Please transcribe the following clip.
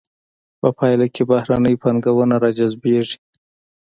په پایله کې بهرنۍ پانګونه را جذبیږي.